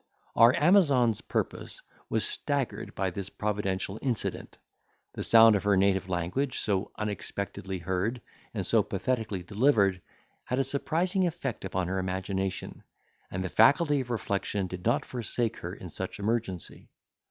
Our Amazon's purpose was staggered by this providential incident; the sound of her native language, so unexpectedly heard, and so pathetically delivered, had a surprising effect upon her imagination; and the faculty of reflection did not forsake her in such emergency.